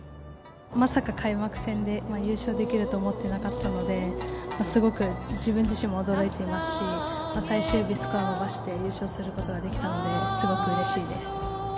まさか開幕戦で優勝できると思ってなかったので、すごく自分自身も驚いていますし最終日、スコアを伸ばして優勝することができたのですごくうれしいです。